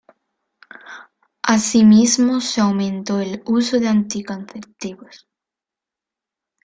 Así mismo, se aumentó el uso de anticonceptivos.